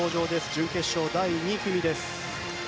準決勝第２組です。